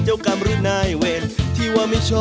อย่าใกล้อย่าใกล้